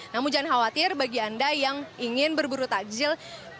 namun jangan khawatir bagi anda yang ingin berburu takjil